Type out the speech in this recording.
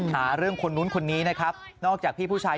หาเรื่องคนนู้นคนนี้นะครับนอกจากพี่ผู้ชาย